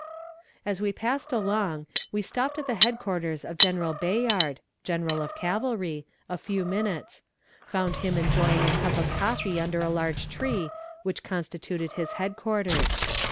As we passed along, we stopped at the headquarters of General Bayard (General of Cavalry) a few minutes found him enjoying a cup of coffee under a large tree, which constituted his headquarters.